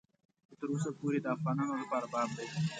چې تر اوسه پورې د افغانانو لپاره باب دی.